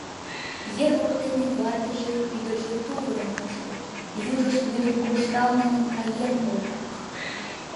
Ер воктене ватыже, ӱдыржӧ тувырым мушкыт, южышт вӱдым коштал налын каен колтат.